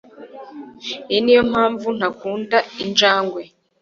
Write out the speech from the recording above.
Iyi niyo mpamvu ntakunda injangwe